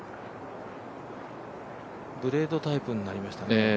ブレードタイプになりましたね。